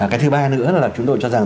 cái thứ ba nữa là chúng tôi cho rằng